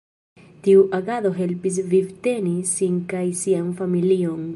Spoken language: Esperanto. Tiu agado helpis vivteni sin kaj sian familion.